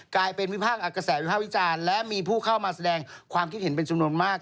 กลายเป็นวิพากษ์อักกระแสวิภาควิจารณ์และมีผู้เข้ามาแสดงความคิดเห็นเป็นจำนวนมาก